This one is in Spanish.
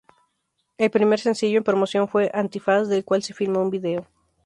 El primer sencillo en promoción fue "Antifaz", del cual se filmó un video.